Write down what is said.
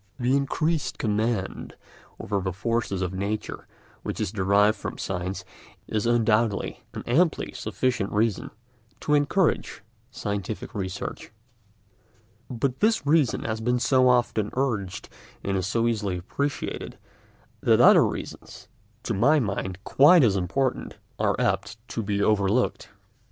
The increased command over the forces of nature which is derived from science is undoubtedly an amply sufficient reason for encouraging scientific research, but this reason has been so often urged and is so easily appreciated that other reasons, to my mind quite as important, are apt to be overlooked.